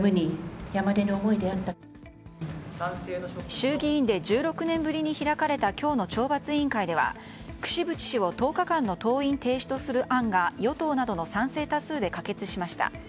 衆議院で１６年ぶりに開かれた今日の懲罰委員会では櫛渕氏を１０日間の登院停止とする案が与党などの賛成多数で可決しました。